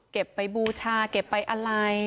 เก็บไปบูชาเก็บไปอะไร